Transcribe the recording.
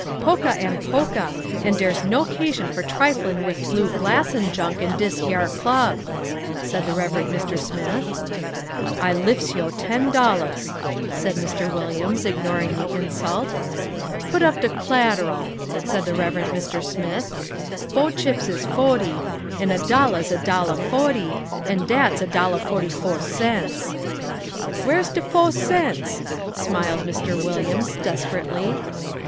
"Pokah am pokah, and dar's no 'casion fer triflin' wif blue glass 'n junk in dis yar club," said the Reverend Mr. Smith. "I liffs yo' ten dollahs," said Mr. Williams, ignoring the insult. "Pud up de c'lateral," said the Reverend Mr. Smith. "Fo' chips is fohty, 'n a dollah's a dollah fohty, 'n dat's a dollah fohty fo' cents." "Whar's de fo' cents?" smiled Mr. Williams, desperately.